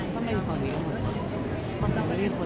เวลาแรกพี่เห็นแวว